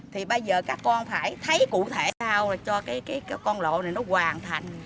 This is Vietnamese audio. thì bây giờ các con phải thấy cụ thể sao cho cái con lộ này nó hoàn thành